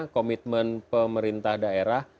komitmen pemerintah daerah